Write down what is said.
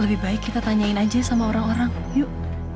lebih baik kita tanyain aja sama orang orang yuk